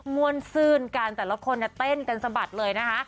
มวลซื่นกันแต่ละคนเต้นกันสะบัดเลยนะคะ